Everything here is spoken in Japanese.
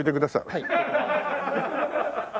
はい。